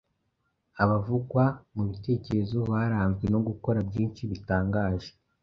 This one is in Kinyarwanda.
Abavugwa mu bitekerezo baranzwe no gukora byinshi bitangaje